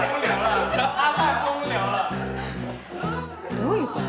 どういうこと？